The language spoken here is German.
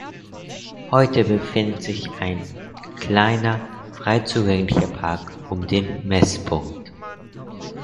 Heute befindet sich ein kleiner frei zugänglicher Park um den Messpunkt.